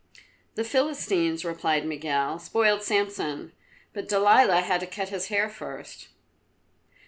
"The Philistines," replied Miguel, "spoiled Samson, but Delilah had to cut his hair first."